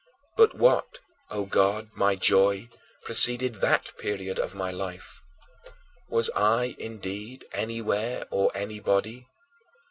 But what, O God, my Joy, preceded that period of life? Was I, indeed, anywhere, or anybody?